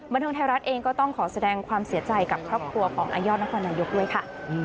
บันเทิงไทยรัฐเองก็ต้องขอแสดงความเสียใจกับครอบครัวของอายอดนครนายกด้วยค่ะ